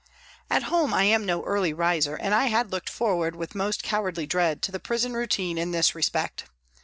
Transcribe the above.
At home I am no early riser, and I had looked forward with most cowardly dread to the prison routine in this respect.